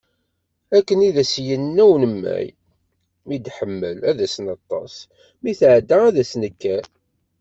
Akken i d as-yenna umemmay, mi d-teḥmel ad as-neṭṭes, mi tɛedda ad as-nekker.